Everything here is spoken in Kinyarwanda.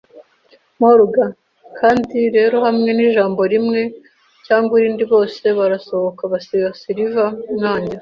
Morgan. Kandi rero hamwe nijambo rimwe cyangwa irindi bose barasohoka basiga Silver nanjye